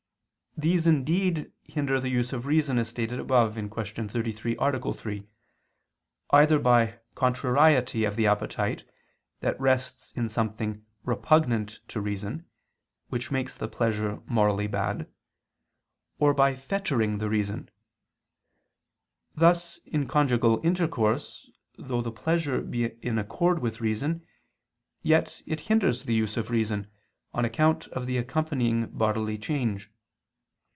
These indeed hinder the use of reason, as stated above (Q. 33, A. 3), either by contrariety of the appetite that rests in something repugnant to reason, which makes the pleasure morally bad; or by fettering the reason: thus in conjugal intercourse, though the pleasure be in accord with reason, yet it hinders the use of reason, on account of the accompanying bodily change.